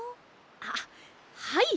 あっはい。